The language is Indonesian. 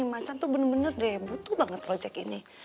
macan tuh bener bener butuh banget proyek ini